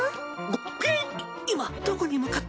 えっ！